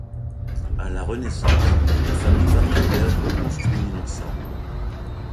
À la Renaissance, la famille Wartenberg reconstruit l'ensemble.